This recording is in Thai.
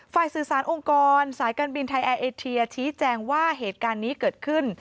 สื่อสารองค์กรสายการบินไทยแอร์เอเทียชี้แจงว่าเหตุการณ์นี้เกิดขึ้น